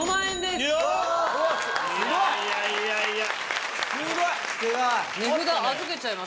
すごい！